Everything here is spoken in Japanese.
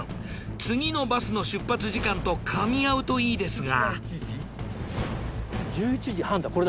次のバスの出発時間とかみ合うといいですが。